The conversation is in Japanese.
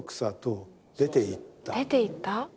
出ていった？